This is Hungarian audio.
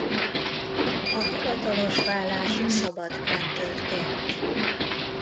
A hivatalos válás Szabadkán történt.